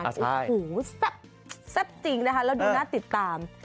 โอ้โหแซ่บจริงนะคะแล้วดูน่าติดตาม